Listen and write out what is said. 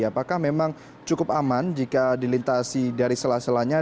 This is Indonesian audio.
apakah memang cukup aman jika dilintasi dari sela selanya